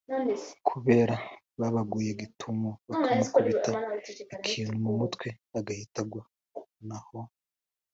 kubera babaguye gitumo bakamukubita ikintu mu mutwe agahita agwa naho